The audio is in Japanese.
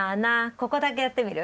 ここだけやってみる？